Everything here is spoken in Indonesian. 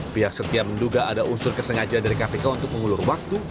pihak setia menduga ada unsur kesengajaan dari kpk untuk mengulur waktu